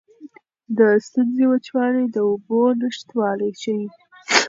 د ستوني وچوالی د اوبو نشتوالی ښيي.